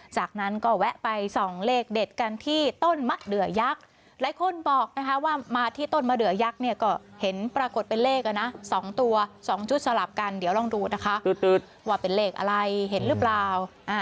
จากนั้นก็แวะไปส่องเลขเด็ดกันที่ต้นมะเดือยักษ์หลายคนบอกนะคะว่ามาที่ต้นมะเดือยักษ์เนี่ยก็เห็นปรากฏเป็นเลข๒ตัว๒ชุดสลับกันเดี๋ยวลองดูนะคะว่าเป็นเลขอะไรเห็นหรือเปล่า